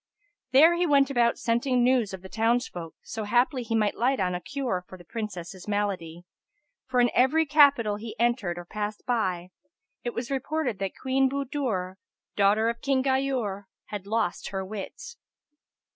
[FN#285] Here he went about scenting news of the townsfolk, so haply he might light on a cure for the Princess's malady, for in every capital he entered or passed by, it was reported that Queen Budur, daughter of King Ghayur, had lost her wits.